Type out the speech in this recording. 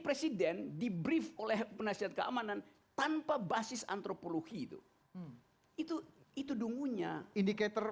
presiden di brief oleh penasihat keamanan tanpa basis antropologi itu itu dungunya indikator